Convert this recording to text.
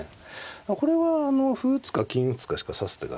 これは歩打つか金打つかしか指す手がない。